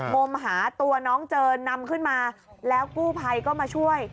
มหาตัวน้องเจินนำขึ้นมาแล้วกู้ภัยก็มาช่วย